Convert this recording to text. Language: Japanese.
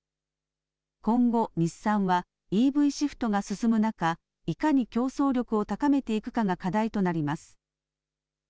今後、日産はＥＶシフトが進む中いかに競争力を高めていくかが課題となります。